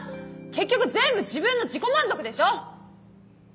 結局全部自分の自己満足でしょ！